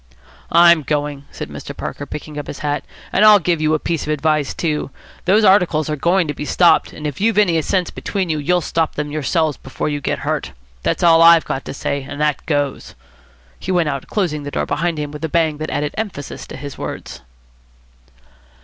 "I'm going," said Mr. Parker, picking up his hat. "And I'll give you a piece of advice, too. Those articles are going to be stopped, and if you've any sense between you, you'll stop them yourselves before you get hurt. That's all I've got to say, and that goes." He went out, closing the door behind him with a bang that added emphasis to his words.